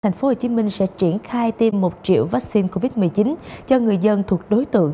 thành phố hồ chí minh sẽ triển khai tiêm một triệu vaccine covid một mươi chín cho người dân thuộc đối tượng